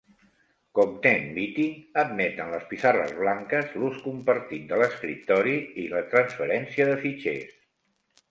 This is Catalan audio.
Com NetMeeting, admeten les pissarres blanques, l'ús compartit de l'escriptori i la transferència de fitxers.